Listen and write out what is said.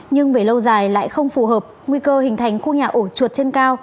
nhưng về lâu dài lại không phù hợp nguy cơ hình thành khu nhà ổ chuột trên cao